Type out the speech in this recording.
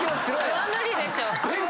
それは無理でしょ。